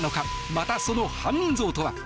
また、その犯人像とは？